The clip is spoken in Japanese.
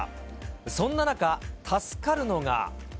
そんな中、助かるのが。